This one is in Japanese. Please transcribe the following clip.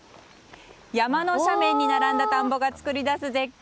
山の斜面に並んだ田んぼが作り出す絶景